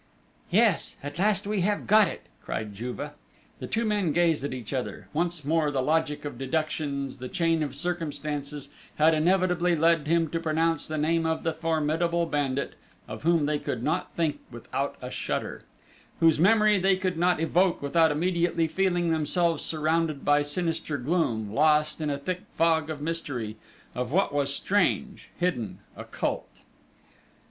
"Yes, at last we have got it!" cried Juve. The two men gazed at each other; once more the logic of deductions, the chain of circumstances had inevitably led him to pronounce the name of the formidable bandit, of whom they could not think without a shudder; whose memory they could not evoke without immediately feeling themselves surrounded by sinister gloom, lost in a thick fog of mystery, of what was strange, hidden, occult!